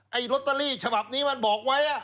ลอตเตอรี่ฉบับนี้มันบอกไว้